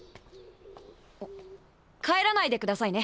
帰らないで下さいね。